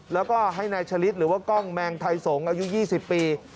แล้วก็ให้นายชะลิดหรือว่ากล้องแมงไทยสงฆ์อายุ๒๐ปี